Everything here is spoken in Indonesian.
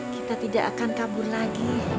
kita tidak akan kabur lagi